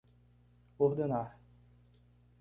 Ordenar!